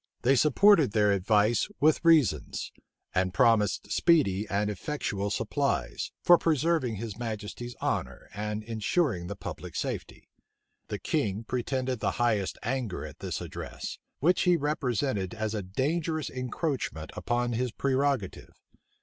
They supported their advice with reasons; and promised speedy and effectual supplies, for preserving his majesty's honor and insuring the safety of the public. The king pretended the highest anger at this address, which he represented as a dangerous encroachment upon his prerogative.